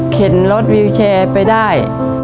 เข็นรถวิวแชร์ไปได้